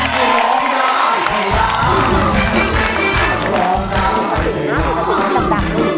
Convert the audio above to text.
ได้ครับ